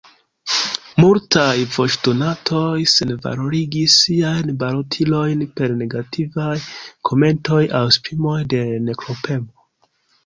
Multaj voĉdonantoj senvalorigis siajn balotilojn per negativaj komentoj aŭ esprimoj de nekompreno.